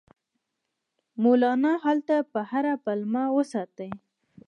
مولنا هلته په هره پلمه وساتي.